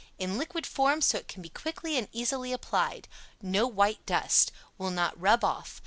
In liquid form so it can be quickly and easily applied. No white dust. Will not rub off.